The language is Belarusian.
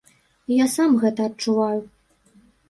Я сам гэта адчуваю.